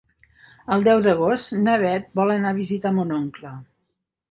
El deu d'agost na Beth vol anar a visitar mon oncle.